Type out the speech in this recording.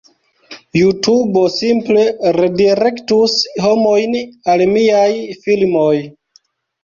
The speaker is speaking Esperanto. JuTubo simple redirektus homojn al miaj filmoj